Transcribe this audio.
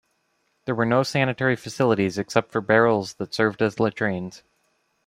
There were no sanitary facilities except for barrels that served as latrines.